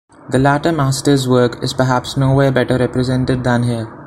The latter master's work is perhaps nowhere better represented than here.